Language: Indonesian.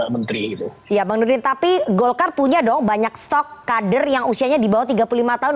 menteri itu ya bang nurin tapi golkar punya dong banyak stok kader yang usianya di bawah tiga puluh lima tahun